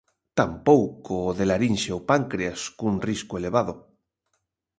Tampouco o de larinxe ou páncreas, cun risco elevado.